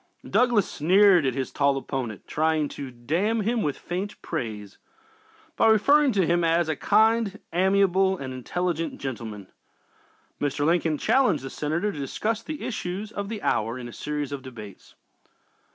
Douglas sneered at his tall opponent, trying to "damn him with faint praise" by referring to him as "a kind, amiable and intelligent gentleman." Mr. Lincoln challenged the Senator to discuss the issues of the hour in a series of debates.